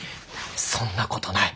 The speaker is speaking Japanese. そんなことない！